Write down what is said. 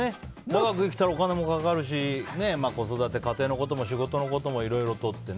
長く生きたらお金もかかるし子育て、家庭のことも仕事のこともいろいろとって。